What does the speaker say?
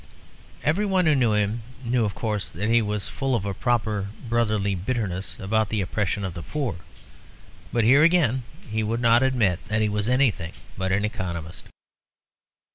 Everyone who knew him knew, of course, that he was full of a proper brotherly bitterness about the oppression of the poor. But here again he would not admit that he was anything but an Economist.